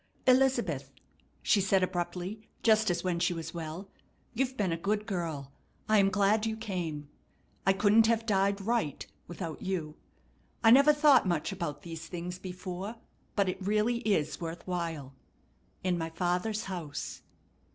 "Elizabeth," she said abruptly, just as when she was well, "you've been a good girl. I'm glad you came. I couldn't have died right without you. I never thought much about these things before, but it really is worth while. In my Father's house.